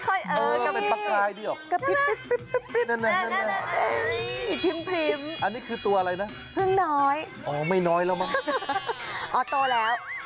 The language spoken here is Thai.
นี่หัวเร็กแทรกเนื้อสาว